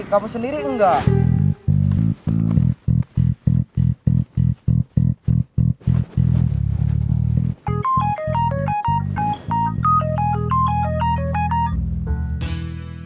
tapi kamu sendiri tidak